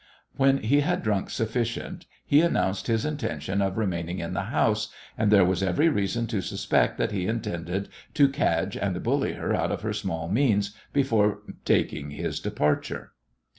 When he had drunk sufficient he announced his intention of remaining in the house, and there was every reason to suspect that he intended to cadge and bully her out of her small means before taking his departure.